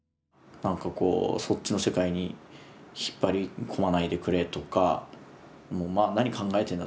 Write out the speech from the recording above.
何か「そっちの世界に引っ張り込まないでくれ」とか「何考えてんだ？